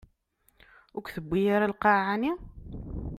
Ur k-tewwi ara lqaɛa, ɛni?